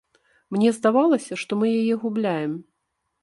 Мне здавалася, што мы яе губляем.